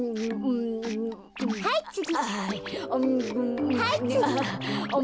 はいつぎ。